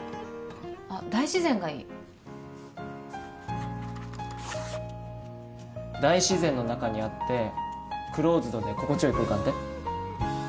あっ大自然がいい大自然の中にあってクローズドで心地よい空間って？